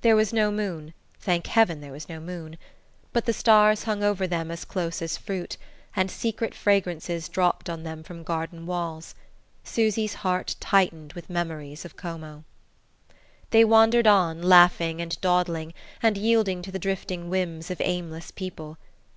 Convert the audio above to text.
There was no moon thank heaven there was no moon! but the stars hung over them as close as fruit, and secret fragrances dropped on them from garden walls. Susy's heart tightened with memories of Como. They wandered on, laughing and dawdling, and yielding to the drifting whims of aimless people.